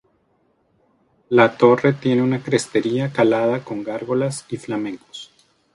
La torre tiene una crestería calada con gárgolas y flamencos.